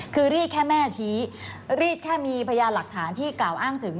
คือรีดแค่แม่ชี้รีดแค่มีพยานหลักฐานที่กล่าวอ้างถึง